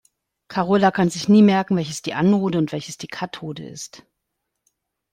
Karola kann sich nie merken, welches die Anode und welches die Kathode ist.